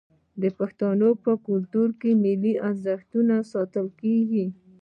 د پښتنو په کلتور کې د ملي ارزښتونو ساتنه کیږي.